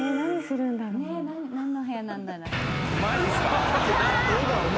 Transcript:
何の部屋なんだろう。